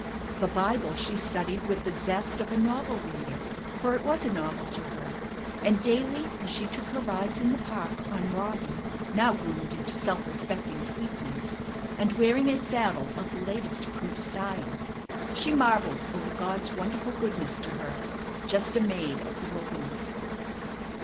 The Bible she studied with the zest of a novel reader, for it was a novel to her; and daily, as she took her rides in the park on Robin, now groomed into self respecting sleekness, and wearing a saddle of the latest approved style, she marvelled over God's wonderful goodness to her, just a maid of the wilderness.